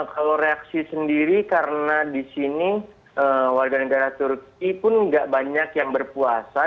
kalau reaksi sendiri karena di sini warga negara turki pun nggak banyak yang berpuasa